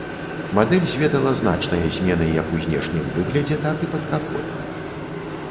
Мадэль зведала значныя змены як у знешнім выглядзе, так і пад капотам.